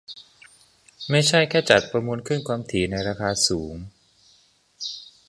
ไม่ใช่แค่จัดประมูลคลื่นความถี่ในราคาสูง